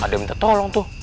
ada minta tolong tuh